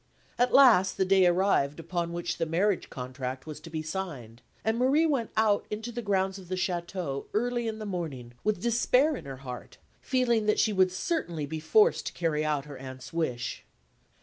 At last the day arrived upon which the marriage contract was to be signed; and Marie went out into the grounds of the château early in the morning with despair in her heart, feeling that she would certainly be forced to carry out her aunt's wish.